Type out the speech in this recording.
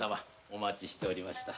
お待ちしておりました。